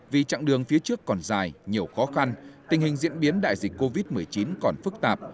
vì chặng đường phía trước còn dài nhiều khó khăn tình hình diễn biến đại dịch covid một mươi chín còn phức tạp